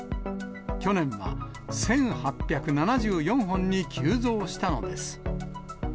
去年は１８７４本に急増したのです。